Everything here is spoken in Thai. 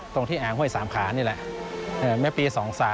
ตรงที่อ่างห้วยสามขานี่แหละเมื่อปี๒๓